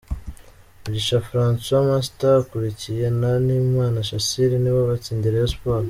Mugisha Francois Master ukurikiwe na Nahimana Shassir nibo batsindiye Rayon Sports.